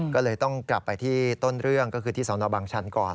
ก็เลยต้องกลับไปที่ต้นเรื่องก็คือที่สนบังชันก่อน